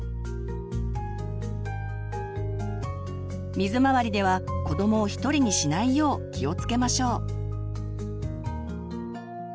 水回りでは子どもを一人にしないよう気をつけましょう。